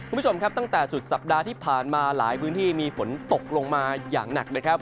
คุณผู้ชมครับตั้งแต่สุดสัปดาห์ที่ผ่านมาหลายพื้นที่มีฝนตกลงมาอย่างหนักนะครับ